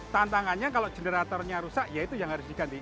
tantangannya kalau generatornya rusak ya itu yang harus diganti